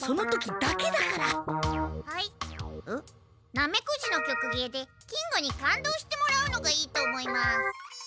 ナメクジの曲芸で金吾に感動してもらうのがいいと思います。